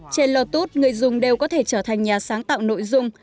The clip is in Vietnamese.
trên lotus người dùng đều có thể trở thành nhà sáng tạo nội dung